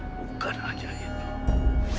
bukan hanya itu